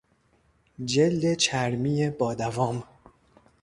جلد چرمی با دوام